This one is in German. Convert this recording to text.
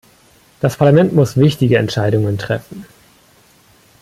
Das Parlament muss wichtige Entscheidungen treffen.